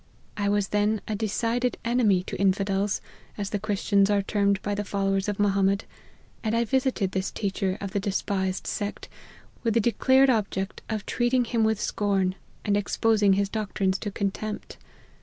I was then a decided enemy to infidels, as the Christians are termed by the fol lowers of Mohammed, and I visited this teacher of the despised sect, with the declared object of treat ing him with scorn, and exposing his doctrines to contempt.